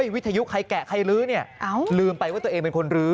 วิทยุใครแกะใครลื้อเนี่ยลืมไปว่าตัวเองเป็นคนลื้อ